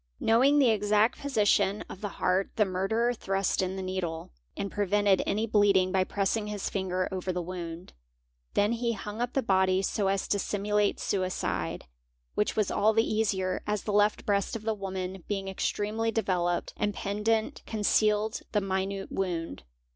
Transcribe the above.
Knowing the exact posi on of the heart the murderer thrust in the needle; and prevented any leeding by pressing his finger over the wound; then he hung up the aN OER SAME TR ETT ORT EIN OARS SekanN ITEM AS 7 tid vee a "¢ Mdy so as to simulate suicide, which was all the easier as the left breast the woman, being extremely developed and pendent, concealed the minute uund.